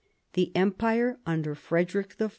The 'Empire under Frederic I.